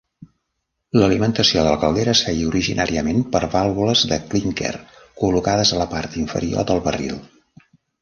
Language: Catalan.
L'alimentació de la caldera es feia originàriament per vàlvules de clínquer col·locades a la part inferior del barril.